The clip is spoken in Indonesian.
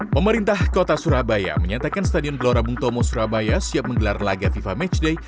pemerintah kota surabaya menyatakan stadion gelora bung tomo surabaya siap menggelar laga fifa matchday